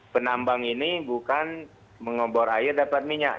penambang ini bukan mengobor air dapat minyak